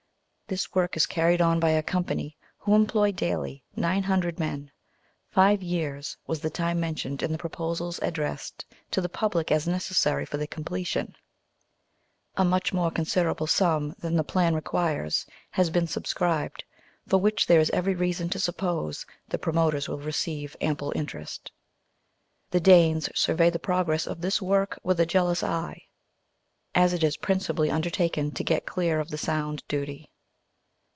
This work is carried on by a company, who employ daily nine hundred men; five years was the time mentioned in the proposals addressed to the public as necessary for the completion. A much more considerable sum than the plan requires has been subscribed, for which there is every reason to suppose the promoters will receive ample interest. The Danes survey the progress of this work with a jealous eye, as it is principally undertaken to get clear of the Sound duty.